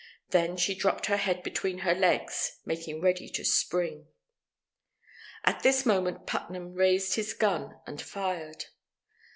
Then she dropped her head between her legs making ready to spring. At this moment Putnam raised his gun and fired.